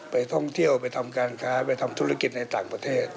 ไปท่องเที่ยวไปทำการค้าไปทำธุรกิจในต่างประเทศ